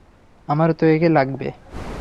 আমার তো একে লাগবে।